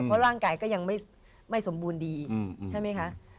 เพราะร่างกายก็ยังไม่สมบูรณ์ดีใช่ไหมคะ